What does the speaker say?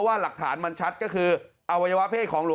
อาวาสมีการฝังมุกอาวาสมีการฝังมุกอาวาสมีการฝังมุก